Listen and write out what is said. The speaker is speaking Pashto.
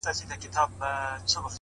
دا چي د سونډو د خـندا لـه دره ولـويــږي’